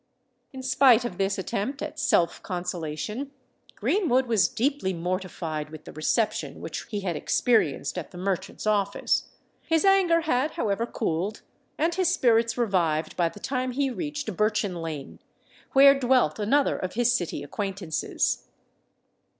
In spite of this attempt at self consolation, Greenwood was deeply mortified with the reception which he had experienced at the merchant's office: his anger had, however, cooled and his spirits revived by the time he reached Birchin Lane, where dwelt another of his City acquaintances.